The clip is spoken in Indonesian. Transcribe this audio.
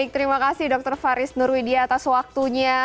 terima kasih dokter faris nurwidia atas waktunya